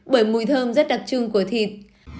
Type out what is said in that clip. bởi mùi thơm rất đặc trưng của thịt